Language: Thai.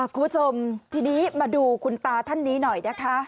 คุณผู้ชมทีนี้มาดูคุณตาท่านนี้หน่อยนะคะ